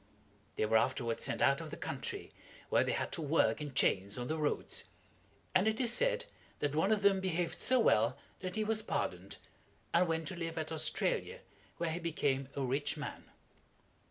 They were afterward sent out of the country, where they had to work in chains on the roads; and it is said that one of them behaved so well that he was pardoned, and went to live at Australia, where he became a rich man.